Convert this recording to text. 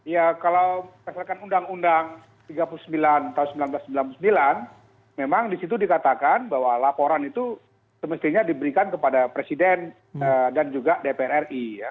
ya kalau berdasarkan undang undang tiga puluh sembilan tahun seribu sembilan ratus sembilan puluh sembilan memang disitu dikatakan bahwa laporan itu semestinya diberikan kepada presiden dan juga dpr ri ya